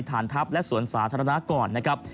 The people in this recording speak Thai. ฐานทัพและสวนสาธารณะก่อนนะครับ